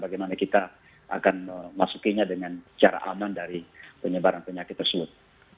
bagaimana kita akan memasukinya dengan cara aman dari penyebaran penyakit tersebut